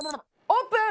オープン！